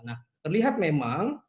nah terlihat memang